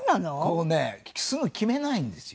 こうねすぐ決めないんですよ。